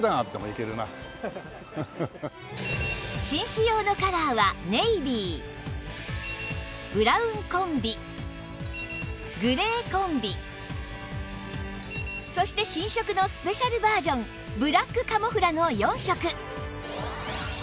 紳士用のカラーはネイビーブラウンコンビグレーコンビそして新色のスペシャルバージョンブラックカモフラの４色